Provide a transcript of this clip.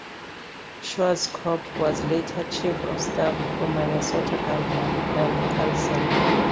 Schwarzkopf was later chief of staff for Minnesota governor Arne Carlson.